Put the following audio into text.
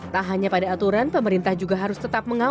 tak hanya pada aturan pemerintah juga harus tetap mengawasi